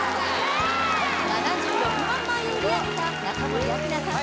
７６万枚を売り上げた中森明菜さん